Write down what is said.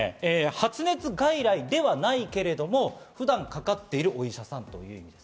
発熱外来ではないけれども、普段かかっているお医者さんが、かかりつけ医です。